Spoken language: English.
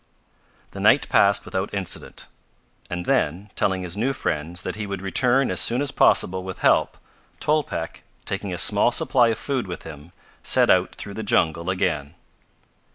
The night passed without incident, and then, telling his new friends that he would return as soon as possible with help, Tolpec, taking a small supply of food with him, set out through the jungle again.